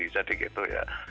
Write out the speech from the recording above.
jadi gitu ya